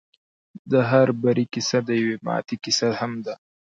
د هر بري کيسه د يوې ماتې کيسه هم ده.